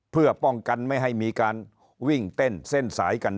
เพื่อป้องกันไม่ให้มีการวิ่งเต้นเส้นสายกัน